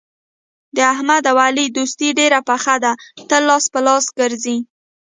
د احمد او علي دوستي ډېره پخه ده تل لاس په لاس سره ګرځي.